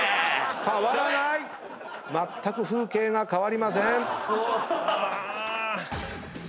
まったく風景が変わりません。